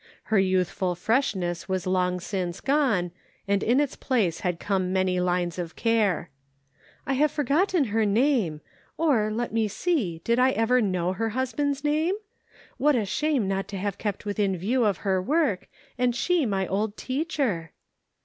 Her youth ful freshness was long since gone, and in its 'place had come many lines of care. "I have forgotten her name ; or, let me see, did I ever know her husband's name ? What a shame not to have kept within view of her work, arid she my old teacher